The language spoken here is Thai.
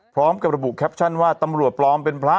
พร้อมกับระบุแคปชั่นว่าตำรวจปลอมเป็นพระ